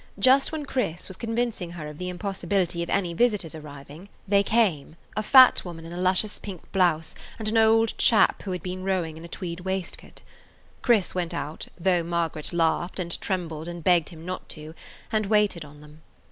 Just when Chris was convincing her of the impossibility of any visitors arriving they came, a fat woman in a luscious pink blouse and an old chap who had been rowing in a tweed waistcoat. Chris went out, though Margaret laughed and trembled and begged him not to, and waited on them.